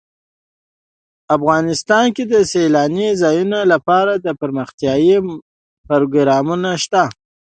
افغانستان کې د سیلانی ځایونه لپاره دپرمختیا پروګرامونه شته.